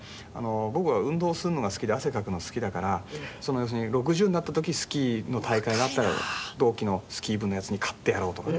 僕は運動するのが好きで汗かくのが好きだから要するに６０になった時スキーの大会があったら同期のスキー部のヤツに勝ってやろうとかね